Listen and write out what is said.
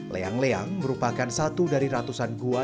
leang leang merupakan satu dari ratusan gua